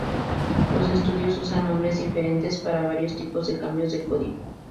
Los estudiosos usan nombres diferentes para varios tipos de cambios de código.